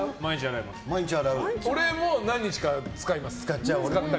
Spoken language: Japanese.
俺も何日か使います。